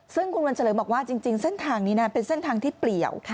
ซึ่งคุณวันเฉลิมบอกว่าจริงเส้นทางนี้นะเป็นเส้นทางที่เปลี่ยว